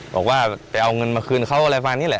บอกว่าไปเอาเงินมาคืนเขาอะไรนี่แหละ